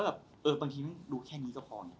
บางทีดูแค่นี้ก็พอ